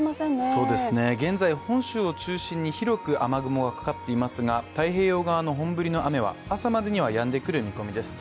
そうですね、現在、本州を中心に広く雨雲がかかっていますが太平洋側の本降りの雨は朝までにはやんでくる見込みです。